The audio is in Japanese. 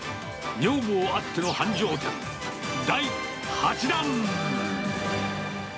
女房あっての繁盛店第８弾。